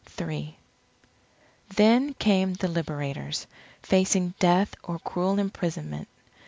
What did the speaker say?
III Then came the Liberators, facing death or cruel imprisonment.